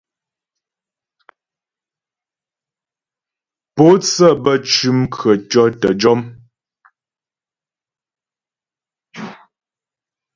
Pǒtsə bə́ cʉm khətʉɔ̌ tə́ jɔm.